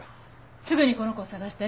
すぐにこの子を捜して。